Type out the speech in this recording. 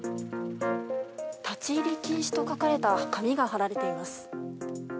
立ち入り禁止と書かれた紙が貼られています。